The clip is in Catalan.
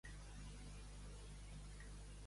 Què és el mussol d'Atena?